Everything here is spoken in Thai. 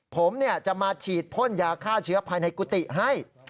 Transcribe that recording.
ผมจะมาฉีดพ่นยาฆ่าเชื้อภายในกุฏิให้